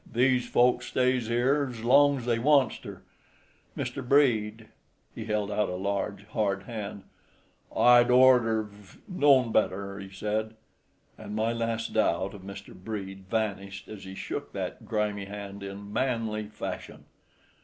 These folks stays here's long's they wants ter. Mr. Brede"—he held out a large, hard hand—"I'd orter've known better," he said. And my last doubt of Mr. Brede vanished as he shook that grimy hand in manly fashion.